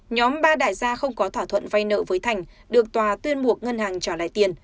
nhóm ba đại gia không có thỏa thuận vay nợ với thành được tòa tuyên buộc ngân hàng trả lại tiền